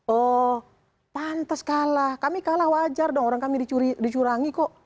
oh pantas kalah kami kalah wajar dong orang kami dicurangi kok